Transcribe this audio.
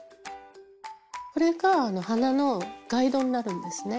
これが鼻のガイドになるんですね。